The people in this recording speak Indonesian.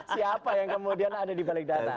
siapa yang kemudian ada di balik data